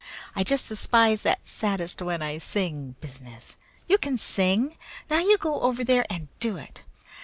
I just despise that 'saddest when I sing' business. You can sing! Now you go over there and do it!